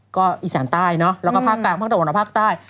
ก็อีสานใต้เนาะแล้วก็ภาคกลางภาคตะวันออกภาคใต้